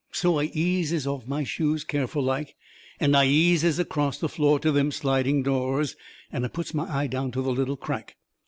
So I eases off my shoes, careful like, and I eases acrost the floor to them sliding doors, and I puts my eye down to the little crack.